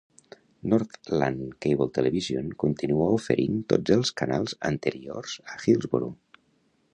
Northland Cable Television continua oferint tots els canals anteriors a Hillsboro.